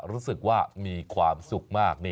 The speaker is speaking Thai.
รู้สึกว่ามีความสุขมาก